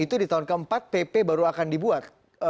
itu di tahun keempat pp baru akan dibuat